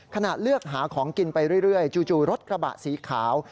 ขณะเลือกหาของกินไปเรื่อยจู่รถกระบะสีขาว